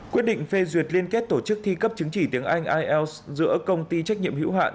quyết định phê duyệt liên kết tổ chức thi cấp chứng chỉ tiếng anh ielts giữa công ty trách nhiệm hữu hạn